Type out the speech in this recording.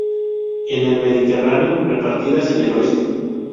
En el Mediterráneo, repartidas en el oeste.